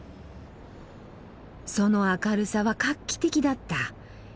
その明るさは画期的だった。